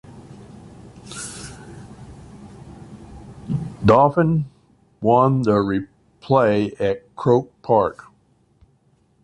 Dublin won the replay at Croke Park.